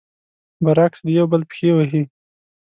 برعکس، د يو بل پښې وهي.